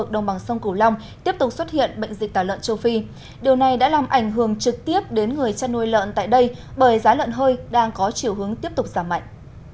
điều này đã làm ảnh hưởng trực tiếp đến người chăn nuôi lợn tại đây bởi giá lợn hơi đang có chiều hướng tiếp tục giảm mạnh